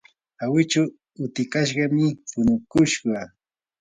awichu utikashqami punukushqa.